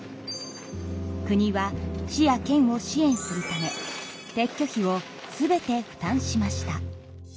国は市や県を支援するため撤去費を全て負担しました。